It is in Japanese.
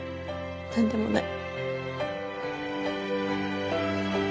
何でもない。